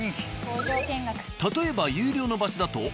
例えば有料の場所だと。